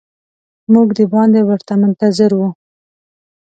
موږ د باندې ورته منتظر وو.